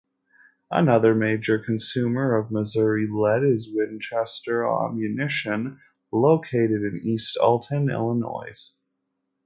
Another major consumer of Missouri lead is Winchester Ammunition, located in East Alton, Illinois.